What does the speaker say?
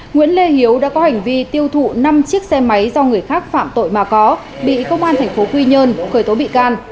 nguyễn lê hiếu đã có hành vi tiêu thụ năm chiếc xe máy do người khác phạm tội mà có bị công an tp quy nhơn khởi tố bị can